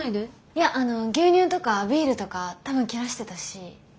いやあの牛乳とかビールとか多分切らしてたし。